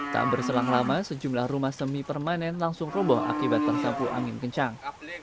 tak berselang lama sejumlah rumah semi permanen langsung roboh akibat tersampu angin kencang